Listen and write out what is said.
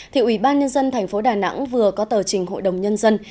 thị ủy ban nhân dân tp đà nẵng vừa có tờ trình hội đồng nhân dân